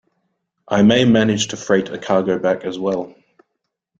I may manage to freight a cargo back as well.